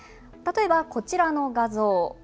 例えば、こちらの画像。